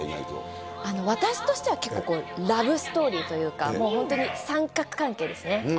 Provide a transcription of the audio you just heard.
私としては、結構、ラブストーリーというか、もう本当に三角関係ですね。